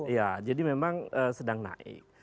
ya jadi memang sedang naik